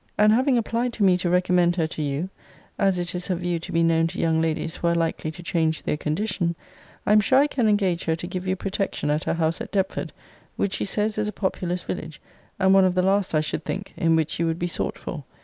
And having applied to me to recommend her to you, (as it is her view to be known to young ladies who are likely to change their condition,) I am sure I can engage her to give you protection at her house at Deptford; which she says is a populous village, and one of the last, I should think, in which you would be sought for.